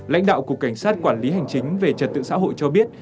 lãnh đạo cục cảnh sát quản lý hành chính về trật tự xã hội cho biết